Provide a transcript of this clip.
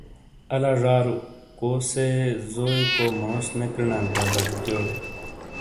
آلا ژارو کوسے زوئیکو موس نے کریݨانت دادبیکیوٹے؟